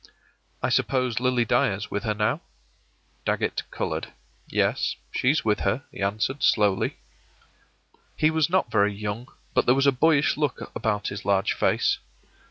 ” “I suppose Lily Dyer's with her now?” Dagget colored. “Yes, she's with her,” he answered, slowly. He was not very young, but there was a boyish look about his large face.